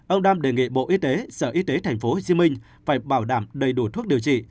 ông đam đề nghị bộ y tế sở y tế tp hcm phải bảo đảm đầy đủ thuốc điều trị